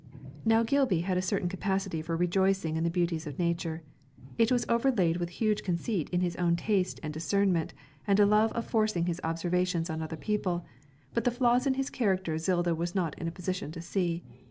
Now Gilby had a certain capacity for rejoicing in the beauties of nature; it was overlaid with huge conceit in his own taste and discernment and a love of forcing his observations on other people, but the flaws in his character Zilda was not in a position to see.